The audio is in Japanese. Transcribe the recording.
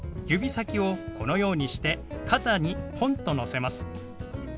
指先をこのようにして肩にポンとのせます。